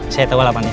saya tau alamatnya